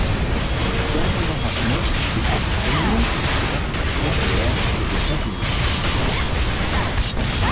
Initialement non armés, ils sont disséminés sur diverses bases côtières des États-Unis.